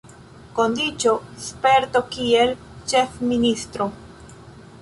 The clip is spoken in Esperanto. Kondiĉo: sperto kiel ĉefministro.